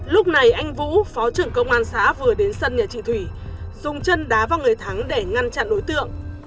lúc này anh vũ phó trưởng công an xã vừa đến sân nhà chị thủy dùng chân đá vào người thắng để ngăn chặn đối tượng